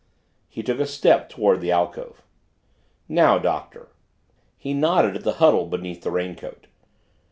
He took a step toward the alcove. "Now, Doctor." He nodded at the huddle beneath the raincoat.